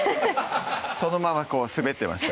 そのままこう滑ってました